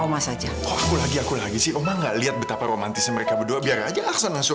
oma saja aku lagi lagi sih omang lihat betapa romantis mereka berdua biar aja aksanasur